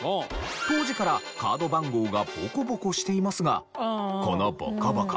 当時からカード番号がボコボコしていますがこのボコボコ